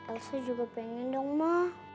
elsie juga pengen dong ma